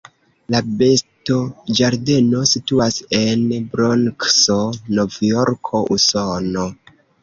La bestoĝardeno situas en Bronkso, Novjorko, Usono.